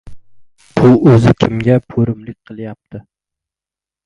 Bu o‘zi, kimga po‘rimlik qilyapti?